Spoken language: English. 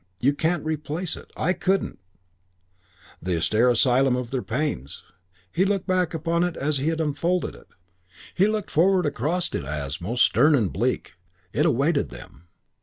You can't replace it. I couldn't " The austere asylum of their pains. He looked back upon it as he had unfolded it. He looked forward across it as, most stern and bleak, it awaited them.